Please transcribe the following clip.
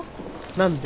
何で？